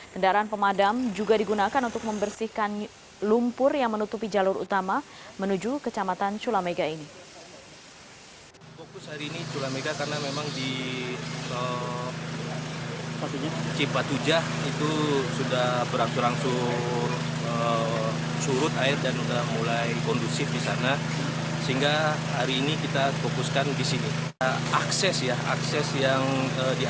kendaraan pemadam juga digunakan untuk membersihkan lumpur yang menutupi jalur utama menuju kecamatan culamega ini